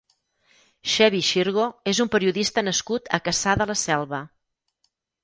Xevi Xirgo és un periodista nascut a Cassà de la Selva.